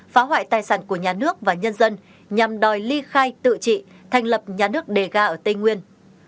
phá hoại tài sản của nhà nước và nhân dân nhằm đòi ly khai tự trị thành lập nhà nước đề ga ở tây nguyên